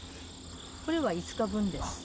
これは５日分です。